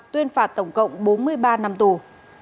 tuyên phạt tổng cộng bốn mươi ba năm tù